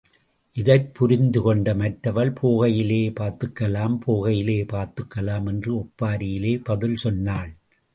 இதைப் புரிந்துகொண்ட மற்றவள், போகையிலே பார்த்துக்கலாம் போகையிலே பார்த்துக்கலாம் என்று ஒப்பாரியிலேயே பதில் சொன்னாள்.